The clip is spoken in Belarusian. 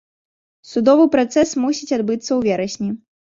Судовы працэс мусіць адбыцца ў верасні.